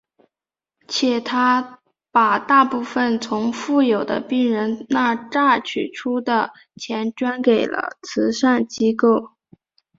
且他把大部分从富有的病人那榨取出的钱捐给了慈善机构。